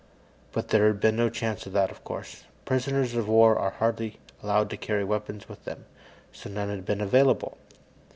But there had been no chance of that, of course. Prisoners of war are hardly allowed to carry weapons with them, so none had been available.